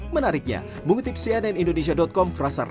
menariknya bunga tips cnindonesia com frasar rambut putih